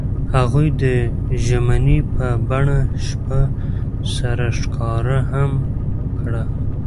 هغوی د ژمنې په بڼه شپه سره ښکاره هم کړه.